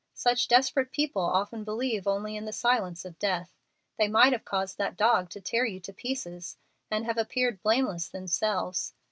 Such desperate people often believe only in the silence of death. They might have caused that dog to tear you to pieces and have appeared blameless themselves.